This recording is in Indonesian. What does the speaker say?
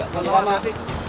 selamat malam mas